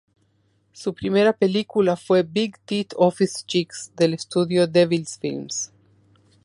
Su primera película fue "Big Tit Office Chicks", del estudio Devil's Films.